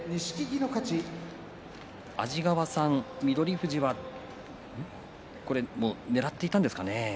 安治川さん、翠富士はねらっていたんですかね。